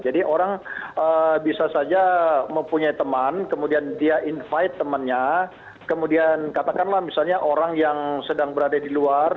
jadi orang bisa saja mempunyai teman kemudian dia invite temannya kemudian katakanlah misalnya orang yang sedang berada di luar